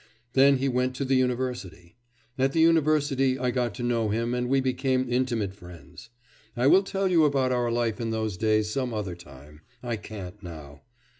Then he went to the university. At the university I got to know him and we became intimate friends. I will tell you about our life in those days some other time, I can't now.